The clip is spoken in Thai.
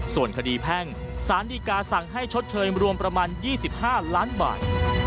ส่วนคดีแพ่งสารดีกาสั่งให้ชดเชยรวมประมาณ๒๕ล้านบาท